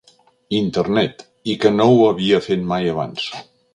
Internet, i que no ho havia fet mai abans.